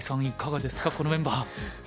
いかがですかこのメンバー。